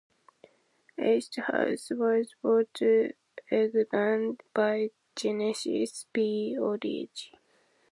Acid house was brought to England by Genesis P-Orridge.